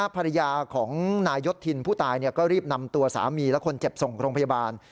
ภรรยาของนายยศทินผู้ตายก็รีบนำตัวสามีและคนเจ็บส่งโรงพยาบาล